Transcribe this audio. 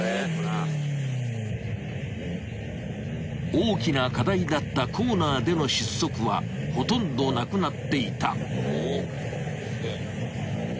［大きな課題だったコーナーでの失速はほとんどなくなっていた］